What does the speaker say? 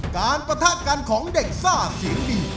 การประทาการของเด็กซ่าเสียงดี